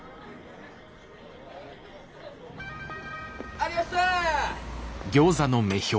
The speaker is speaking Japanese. ありやした！